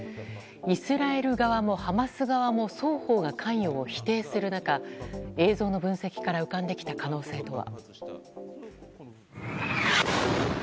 イスラエル側もハマス側も双方が関与を否定する中映像の分析から浮かんできた可能性とは。